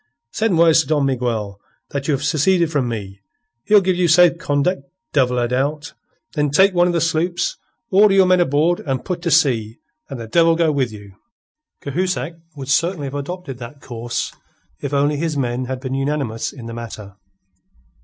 "Send word to Don Miguel that you have seceded from me. He'll give you safe conduct, devil a doubt. Then take one of the sloops, order your men aboard and put to sea, and the devil go with you." Cahusac would certainly have adopted that course if only his men had been unanimous in the matter.